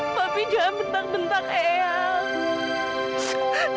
tapi jangan bentang bentang eyang